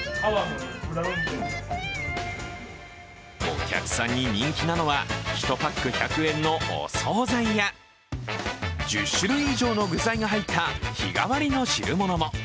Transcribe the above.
お客さんに人気なのは、１パック１００円のお総菜や１０種類以上の具材が入った日替りの汁物も。